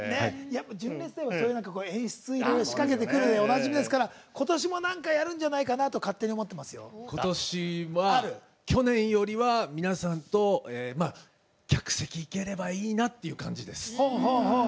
純烈といえば、演出いろいろ仕掛けてくるでおなじみですからことしも、何かやるんじゃとことしは、去年よりは皆さんと、客席に行ければいいなっていう感じです。